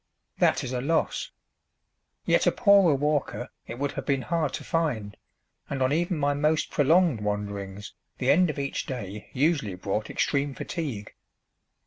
That is a loss. Yet a poorer walker it would have been hard to find, and on even my most prolonged wanderings the end of each day usually brought extreme fatigue.